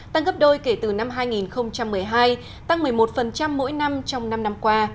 tăng gấp đôi kể từ năm hai nghìn một mươi hai tăng một mươi một mỗi năm trong năm năm qua